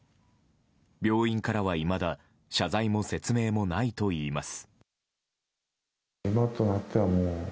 病院からはいまだ謝罪も説明もないといいます。